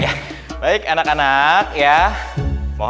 ya baik anak anak ya